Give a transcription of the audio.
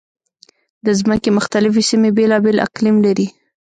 د ځمکې مختلفې سیمې بېلابېل اقلیم لري.